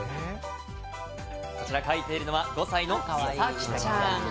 こちら描いているのは５歳のみさきちゃん。